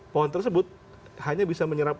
pohon tersebut hanya bisa menyerap